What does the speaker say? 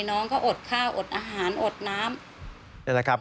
น้องก็อดข้าวอดอาหารอดน้ำ